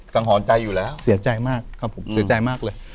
หอนใจอยู่แล้วเสียใจมากครับผมเสียใจมากเลย